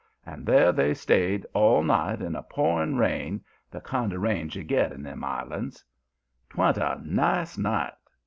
And there they stayed all night in a pouring rain, the kind of rains you get in them islands. "'Twa'n't a nice night.